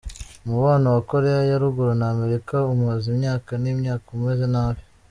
Umubano wa Koreya ya Ruguru na Amerika umaze imyaka n’imyaka umeze nabi.